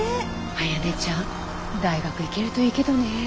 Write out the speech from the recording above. あやねちゃん大学行けるといいけどねえ。